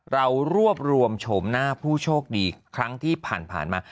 เรารวบรวมโฉมหน้าผู้โชคดีครั้งที่ผ่านมา